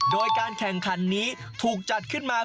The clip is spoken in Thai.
โดยการแข่งขันนี้ถูกจัดขึ้นมา